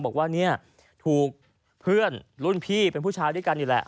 บอกว่าเนี่ยถูกเพื่อนรุ่นพี่เป็นผู้ชายด้วยกันนี่แหละ